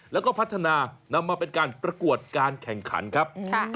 แล้วก็พัฒนานำมาเป็นการประกวดการแข่งขันครับ